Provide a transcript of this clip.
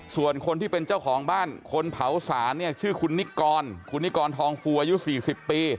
ส่วนคนที่เป็นเจ้าของบ้านคนเผาสารเนี่ยชื่อคุณนิกรคุณนิกรทองฟูอายุ๔๐ปี